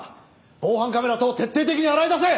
防犯カメラ等徹底的に洗い出せ！